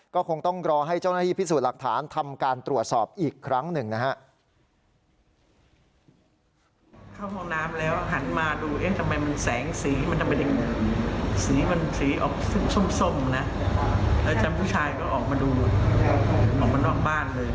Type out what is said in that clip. ก็คงต้องรอให้เจ้าหน้าที่พิสูจน์หลักฐานทำการตรวจสอบอีกครั้งหนึ่งนะฮะ